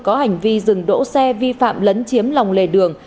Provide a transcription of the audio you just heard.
có hành vi dừng đỗ xe vi phạm lấn chiếm lòng lề đường